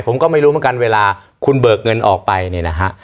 ผมก็ไม่รู้เหมือนกันเวลาคุณเบิกเงินออกไปเนี่ยนะฮะ